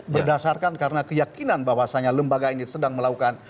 berdasarkan karena keyakinan bahwasannya lembaga ini sedang melakukan